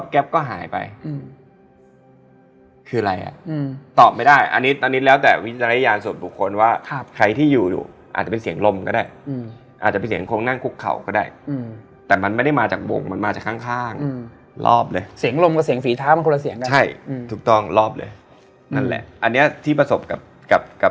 เขาไม่เคยมาแตะต้องตัวแอไม่เคยรู้สึกว่ามันประชิดแหละแต่มันไม่เคยมาแตะเราอะ